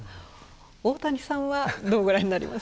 大谷さんはどうご覧になりますか？